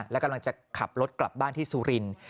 และกำลังจะขับรถกลับบ้านที่สุรินทร์